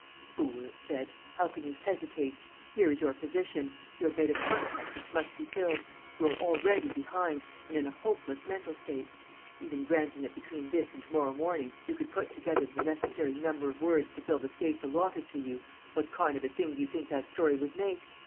"Fool!" it said, "how can you hesitate? Here is your position: you have made a contract which must be filled; you are already behind, and in a hopeless mental state. Even granting that between this and to morrow morning you could put together the necessary number of words to fill the space allotted to you, what kind of a thing do you think that story would make?